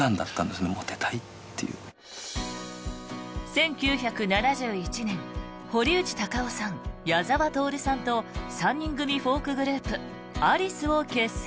１９７１年堀内孝雄さん、矢沢透さんと３人組フォークグループアリスを結成。